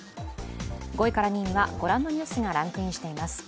５位から２位はご覧のニュースがランクインしています。